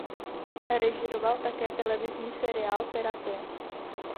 Režíroval také televizní seriál "Terapie".